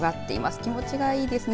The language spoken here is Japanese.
気持ちがいいですね。